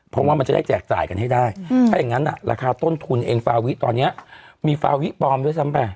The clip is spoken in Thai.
เพราะว่ามันจะได้แจกจ่ายกันให้ได้ถ้าอย่างนั้นราคาต้นทุนเองฟาวิตอนนี้มีฟาวิปลอมด้วยซ้ำไป